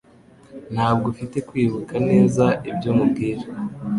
Ntabwo ufite kwibuka neza ibyo nkubwira